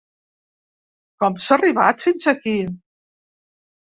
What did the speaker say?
Com s’ha arribat fins aquí?